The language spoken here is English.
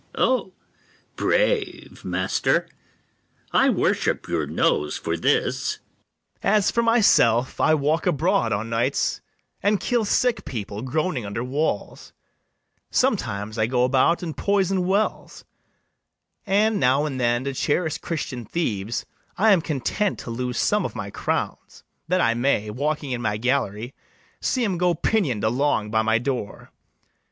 ITHAMORE. O, brave, master! I worship your nose for this. BARABAS. As for myself, I walk abroad o' nights, And kill sick people groaning under walls: Sometimes I go about and poison wells; And now and then, to cherish Christian thieves, I am content to lose some of my crowns, That I may, walking in my gallery, See 'em go pinion'd along by my door.